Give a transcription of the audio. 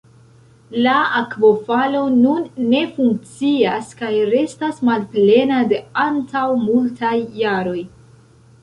La akvofalo nun ne funkcias kaj restas malplena de antaŭ multaj jaroj.